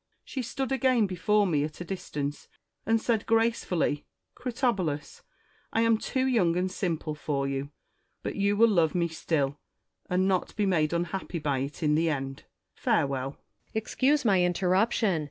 " She stood again before me at a distance, and said grace fully, ' Critobulus ! I am too young and simple for you; but you will love me still, and not be made unhappy by it in the end. Farewell.' " Quinctus. Excuse my interruption.